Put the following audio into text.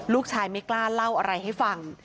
ลูกชายไม่กล้าเล่าอะไรให้ฟัง